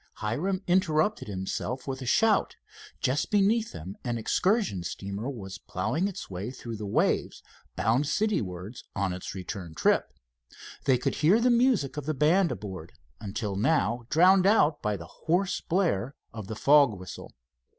Hiram interrupted himself with a shout. Just beneath them an excursion steamer was ploughing its way through the waves, bound citywards on its return trip. They could hear the music of the band aboard, until now drowned out by hoarse blare of the fog whistle.